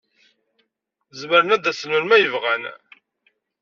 Zemren ad d-asen melmi ay bɣan.